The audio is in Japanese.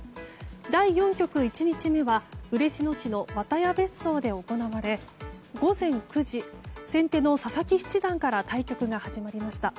第４局１日目は嬉野市の和多屋別荘で行われ午前９時、先手の佐々木七段から対局が始まりました。